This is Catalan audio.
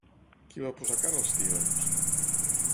Qui va posar cara als tions?